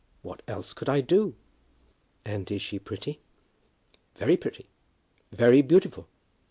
What else could I do?" "And is she pretty?" "Very pretty; very beautiful."